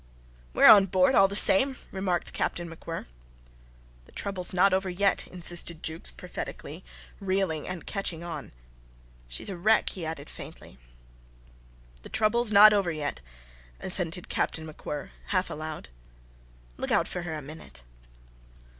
"We are on board, all the same," remarked Captain MacWhirr. "The trouble's not over yet," insisted Jukes, prophetically, reeling and catching on. "She's a wreck," he added, faintly. "The trouble's not over yet," assented Captain MacWhirr, half aloud .... "Look out for her a minute."